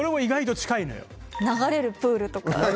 流れるプールね。